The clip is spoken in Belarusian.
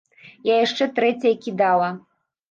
Я яшчэ трэцяя кідала.